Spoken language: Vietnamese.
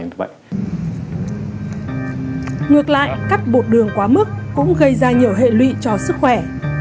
ngược lại cắt bột đường quá mức cũng gây ra nhiều hệ lụy cho sức khỏe